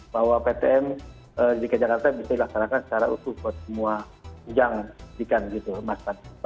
bahwa ptm dki jakarta bisa dilaksanakan secara usus buat semua yang dikan gitu mas